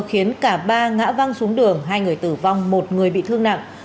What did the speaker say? khiến cả ba ngã văng xuống đường hai người tử vong một người bị thương nặng